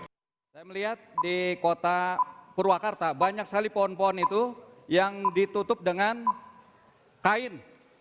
ketiga karena di bandung ada banyak pohon pohon yang ditutup dengan kain